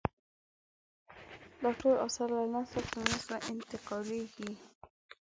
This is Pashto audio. دا ټول اثار له نسله تر نسل ته انتقالېدل.